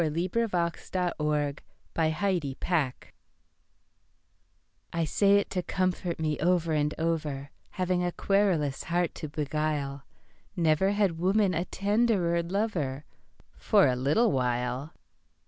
The Cynic Theodosia Garrison I SAY it to comfort me over and over, Having a querulous heart to beguile, Never had woman a tenderer lover—For a little while.